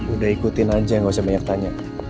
udah ikutin aja gak usah banyak tanya